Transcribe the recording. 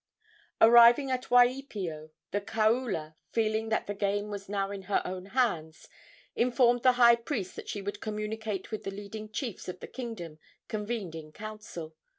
Arriving at Waipio, the kaula, feeling that the game was now in her own hands, informed the high priest that she would communicate with the leading chiefs of the kingdom convened in council.